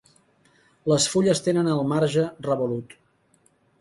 Les fulles tenen el marge revolut.